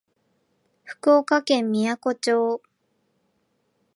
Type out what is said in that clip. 福岡県みやこ町